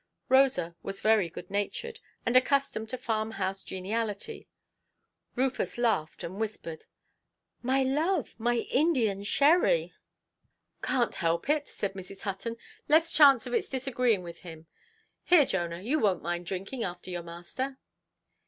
Rosa was very good–natured, and accustomed to farm–house geniality. Rufus laughed and whispered, "My love, my Indian sherry"! "Canʼt help it", said Mrs. Hutton; "less chance of its disagreeing with him. Here, Jonah, you wonʼt mind drinking after your master".